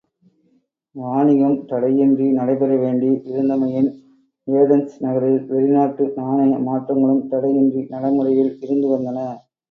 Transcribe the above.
வாணிகம் தடையின்றி நடைபெற வேண்டி இருந்தமையின், ஏதென்ஸ் நகரில் வெளிநாட்டு நாணய மாற்றங்களும் தடையின்றி நடைமுறையில் இருந்து வந்தன.